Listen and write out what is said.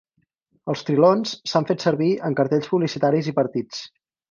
Els trilons s'han fet servir en cartells publicitaris i partits.